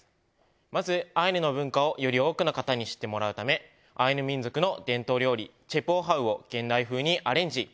まずアイヌの文化をより多くの方に知ってもらうためアイヌ民族の伝統料理チェプオハウを現代風にアレンジ。